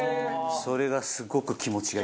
それがすごく気持ちがいい！